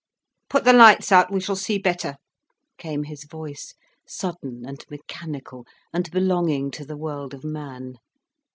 "Put the lights out, we shall see better," came his voice, sudden and mechanical and belonging to the world of man.